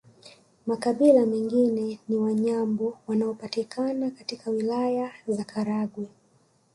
Makabila mengine ni Wanyambo wanaopatikana katika Wilaya za Karagwe